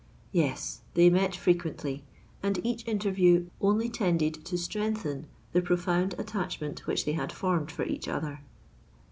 Yes—they met frequently; and each interview only tended to strengthen the profound attachment which they had formed for each other.